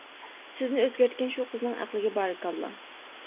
سىزنى ئۆزگەرتكەن شۇ قىزنىڭ ئەقلىگە بارىكاللا.